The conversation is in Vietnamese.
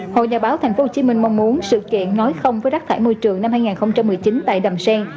hội nhà báo tp hcm mong muốn sự kiện nói không với rác thải môi trường năm hai nghìn một mươi chín tại đầm sen